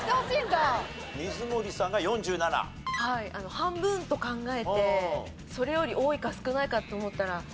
半分と考えてそれより多いか少ないかって思ったら。